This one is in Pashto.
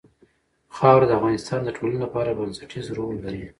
خاوره د افغانستان د ټولنې لپاره بنسټيز رول لري.